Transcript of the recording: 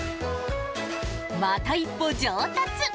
また一歩上達。